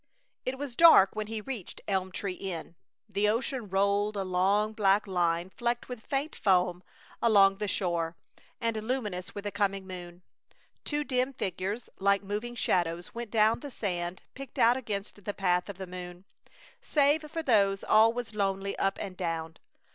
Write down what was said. It was dark when he reached Elm Tree Inn. The ocean rolled, a long black line flecked with faint foam, along the shore, and luminous with a coming moon. Two dim figures, like moving shadows, went down the sand picked out against the path of the moon. Save for those all was lonely, up and down.